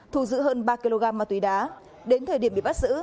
thu giữ hơn ba kg ma túy đá đến thời điểm bị bắt giữ